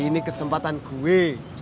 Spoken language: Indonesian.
ini kesempatan gue